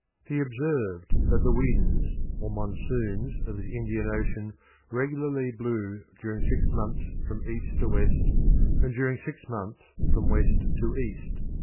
He observed that the winds or monsoons of the Indian Ocean regularly blew during six months from east to west and during six months from west to east.